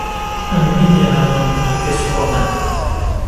Am win iɣerqen deg lkas n waman.